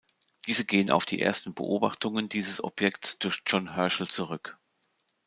Diese gehen auf die ersten Beobachtungen dieses Objekts durch John Herschel zurück.